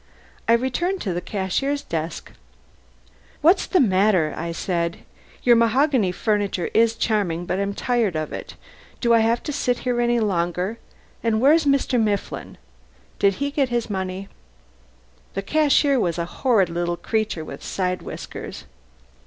I returned to the cashier's desk. "What's the matter?" I said. "Your mahogany furniture is charming, but I'm tired of it. Do I have to sit here any longer? And where's Mr. Mifflin? Did he get his money?" The cashier was a horrid little creature with side whiskers.